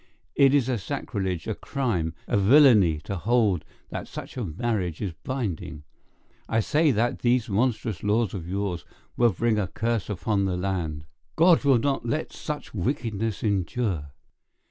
It is a sacrilege, a crime, a villainy to hold that such a marriage is binding. I say that these monstrous laws of yours will bring a curse upon the land—God will not let such wickedness endure."